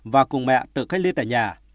và cùng mẹ tự cách ly tại nhà